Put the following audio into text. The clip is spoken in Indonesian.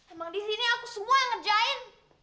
emang di sini aku semua yang ngerjain